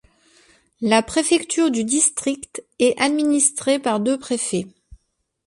La préfecture du district est administrée par deux préfets.